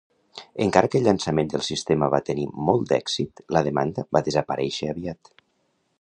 Encara que el llançament del sistema va tenir molt d'èxit, la demanda va desaparèixer aviat.